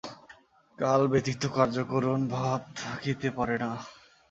কাল ব্যতীত কার্যকারণ-ভাব থাকিতে পারে না।